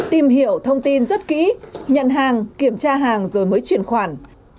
tìm hiểu thông tin rất kỹ nhận hàng kiểm tra hàng rồi mới chuyển khoản